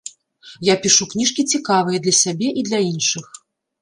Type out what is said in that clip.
Я пішу кніжкі цікавыя для сябе і для іншых.